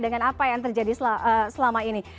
dengan apa yang terjadi selama ini